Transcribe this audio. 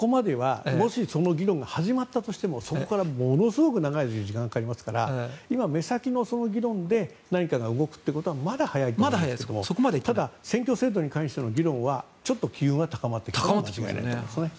もしその議論が始まったとしてもそこからものすごく長い時間がかかりますから今、目先の議論で何かが動くということはまだ早いと思いますけどただ、選挙制度に対しての議論は機運が高まってきています。